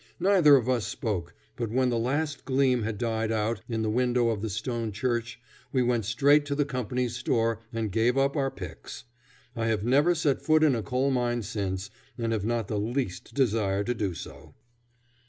Neither of us spoke, but when the last gleam had died out in the window of the stone church we went straight to the company's store and gave up our picks. I have never set foot in a coal mine since, and have not the least desire to do so.